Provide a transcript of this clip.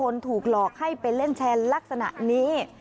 ถูกหลอกให้ไปเล่นแชร์ลักษณะนี้